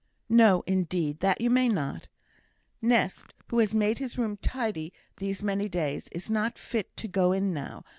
"No, indeed, that you may not. Nest, who has made his room tidy these many days, is not fit to go in now.